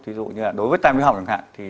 thí dụ như là đối với tai mũi họng chẳng hạn